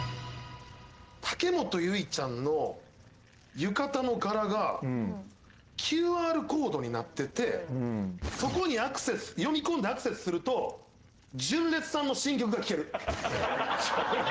武元唯衣ちゃんの浴衣の柄がＱＲコードになっててそこにアクセス読み込んでアクセスすると純烈さんの新曲が聴ける。